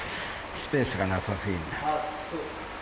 スペースがなさすぎる。